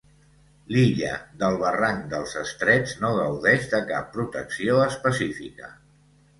L’illa del barranc dels Estrets no gaudeix de cap protecció específica.